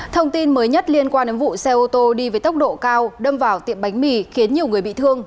thông tin mới nhất liên quan đến vụ xe ô tô đi với tốc độ cao đâm vào tiệm bánh mì khiến nhiều người bị thương